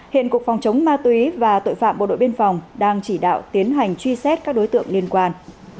hiện cục phòng chống ma túy và tội phạm bộ đội biên phòng đang chỉ đạo tiến hành truy xét các đối tượng liên quan